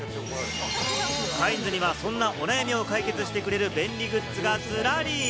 カインズには、そんなお悩みを解決してくれる便利グッズがズラリ！